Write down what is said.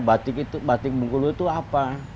batik itu batik bengkulu itu apa